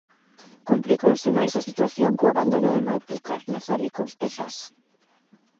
Complicouse máis a situación co abandono de Malpica, Mazaricos e Zas?